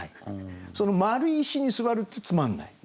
その丸い石に座るとつまんない。